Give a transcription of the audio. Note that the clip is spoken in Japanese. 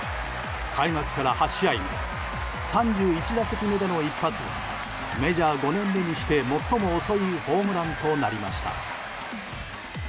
開幕から８試合目の３１打席目での一発にメジャー５年目にして、最も遅いホームランとなりました。